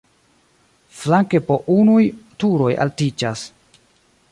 Flanke po unuj turoj altiĝas.